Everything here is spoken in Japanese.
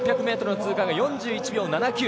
６００ｍの通過が４１秒７９。